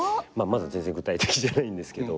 まだ全然具体的じゃないんですけど。